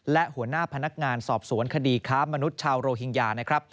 และหัวหน้าพนักงานสอบสวนคดีค้ามนุษย์ชาวโรฮิงญานะครับ